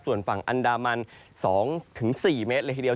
ส่วนฝั่งอันดามัน๒๔เมตรเลยทีเดียว